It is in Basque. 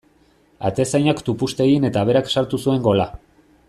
Atezainak tupust egin eta berak sartu zuen gola.